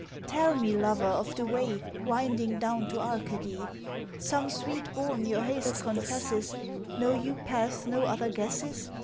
Tell me, Lover, of the way Winding down to Arcady? Some sweet bourne your haste confesses Know you paths no other guesses?